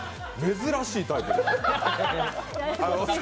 珍しいタイプ。